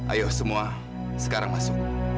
ayo semua sekarang masuk